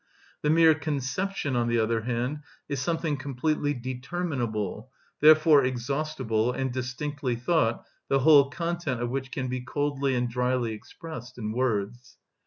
The mere conception, on the other hand, is something completely determinable, therefore exhaustible, and distinctly thought, the whole content of which can be coldly and dryly expressed in words.